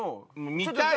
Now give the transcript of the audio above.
見たい？